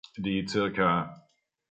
Die Ca.